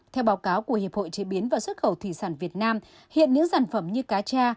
theo báo cáo của hiệp hội chế biến và xuất khẩu thủy sản việt nam hiện những sản phẩm như cá cha